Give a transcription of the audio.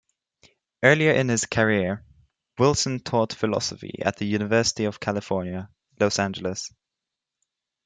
Earlier in his career, Wilson taught philosophy at the University of California, Los Angeles.